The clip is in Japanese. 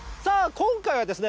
今回はですね